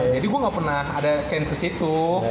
jadi gue gak pernah ada chance ke situ